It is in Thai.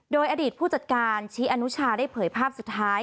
โดยอดีตผู้จัดการชี้อนุชาได้เผยภาพสุดท้าย